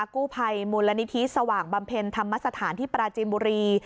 กู้ภัยมูลนิธิสว่างบำเพ็ญธรรมสถานที่ปราจินบุรี